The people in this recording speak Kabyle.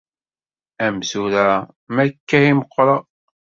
Am tura mi akka i meqqreɣ.